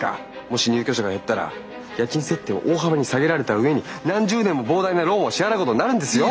もし入居者が減ったら家賃設定を大幅に下げられた上に何十年も膨大なローンを支払うことになるんですよ。